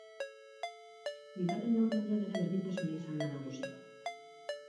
Bigarren laurdenean ere berdintasuna izan da nagusi.